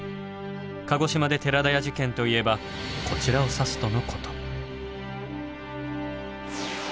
鹿児島で寺田屋事件といえばこちらを指すとのこと。